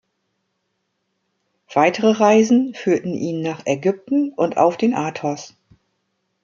Weitere Reisen führten ihn nach Ägypten und auf den Athos.